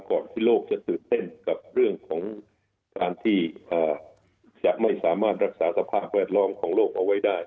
ที่โลกจะตื่นเต้นกับเรื่องของการที่จะไม่สามารถรักษาสภาพแวดล้อมของโลกเอาไว้ได้